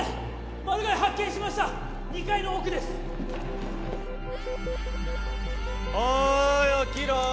マルガイ発見しました２階の奥ですおい起きろ！